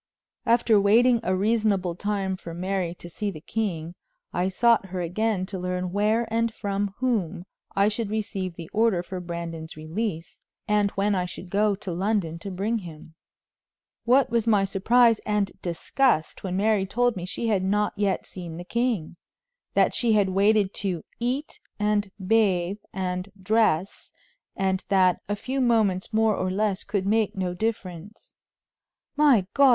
After waiting a reasonable time for Mary to see the king, I sought her again to learn where and from whom I should receive the order for Brandon's release, and when I should go to London to bring him. What was my surprise and disgust when Mary told me she had not yet seen the king that she had waited to "eat, and bathe, and dress," and that "a few moments more or less could make no difference." "My God!